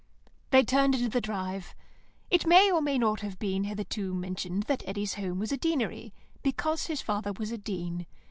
They turned into the drive. It may or may not have hitherto been mentioned that Eddy's home was a Deanery, because his father was a Dean.